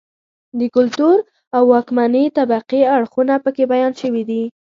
د کلتور او واکمنې طبقې اړخونه په کې بیان شوي دي.